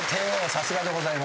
さすがでございます。